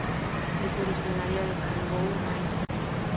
Es originaria de Caribou, Maine.